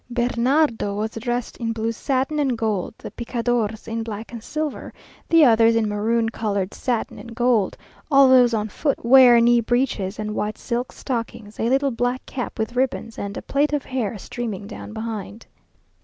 Bernardo was dressed in blue satin and gold; the picadors in black and silver; the others in maroon coloured satin and gold; all those on foot wear knee breeches and white silk stockings, a little black cap with ribbons, and a plait of hair streaming down behind.